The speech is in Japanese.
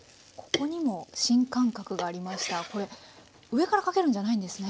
これ上からかけるんじゃないんですね。